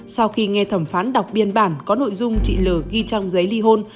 sau khi nghe thẩm phán đọc biên bản có nội dung chị l ghi trong giấy ly hôn